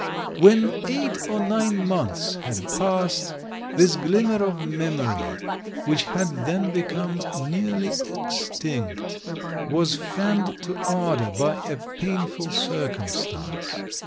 When eight or nine months had passed, this glimmer of memory, which had then become near ly extinct, was fanned to ardour by a painful cir cumstance.